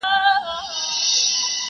• ګڼي خوږو خوږو يارانو بۀ مې خپه وهله..